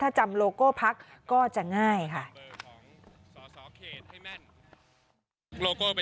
ท่านบุคคลาสมัคร